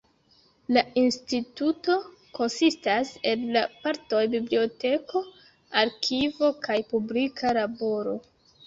La instituto konsistas el la partoj biblioteko, arkivo kaj publika laboro.